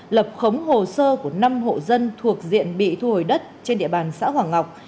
lập khống hồ sơ của năm hộ dân thuộc diện bị thu hồi đất trên địa bàn xã hoàng ngọc